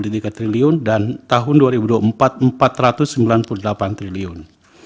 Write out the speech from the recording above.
tahun dua ribu dua puluh tiga empat ratus empat puluh tiga triliun dan tahun dua ribu dua puluh empat empat ratus sembilan puluh delapan triliun